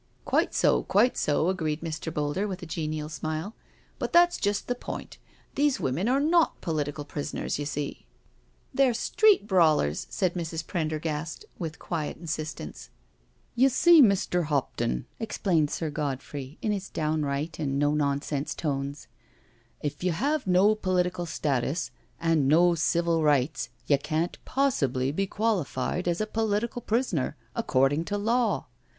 " Quite so, quite so," agreed Mr. Boulder with a genial smile, " but that's just the point— these women are not political prisoners, you see "" They're street brawlers," said Mrs. Prendergast, with quiet insistence. " You see, Mr. Hopton," explained Sir Godfrey in his downright and no nonsense tones, " if you have no political status and no civil rights, you can't possibly be qualified as a political prisoner, according to law.